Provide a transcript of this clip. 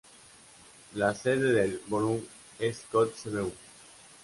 La sede del borough es Kotzebue.